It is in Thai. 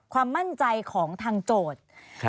ความมั่นใจของทางโจทย์